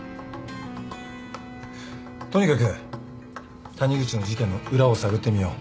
とにかく谷口の事件の裏を探ってみよう。